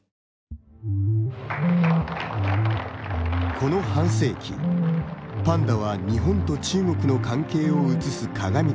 この半世紀、パンダは日本と中国の関係を映す鏡でした。